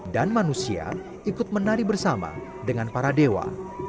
dan manusia ikut menari bersama dengan para dewa